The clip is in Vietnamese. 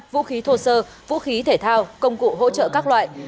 vũ khí thô sơ vũ khí thể thao công cụ hỗ trợ các loại